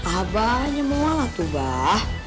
abahnya mau malah tuh bah